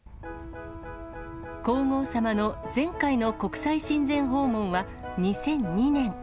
皇后さまの前回の国際親善訪問は２００２年。